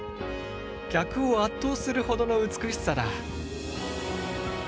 客を圧倒するほどの美しさだ。